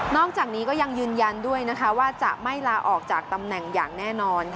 อกจากนี้ก็ยังยืนยันด้วยนะคะว่าจะไม่ลาออกจากตำแหน่งอย่างแน่นอน